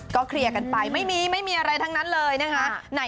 เคลียร์กันไปไม่มีไม่มีอะไรทั้งนั้นเลยนะคะ